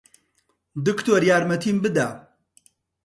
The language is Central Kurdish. دکتۆر، یارمەتیم بدە!